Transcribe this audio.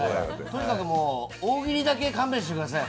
とにかくもう大喜利だけ勘弁してください。